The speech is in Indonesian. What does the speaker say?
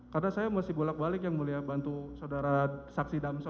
karena saya masih bolak balik ya mulia bantu saudara saksi damso